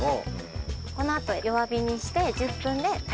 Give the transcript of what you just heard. このあと弱火にして１０分で炊き上がります。